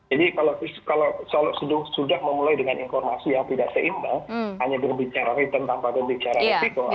jadi kalau sudah memulai dengan informasi yang tidak seimbang hanya berbicara return tanpa berbicara resiko